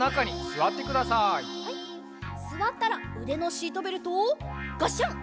すわったらうでのシートベルトをガッシャン！